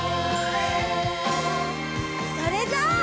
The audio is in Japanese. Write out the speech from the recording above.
それじゃあ。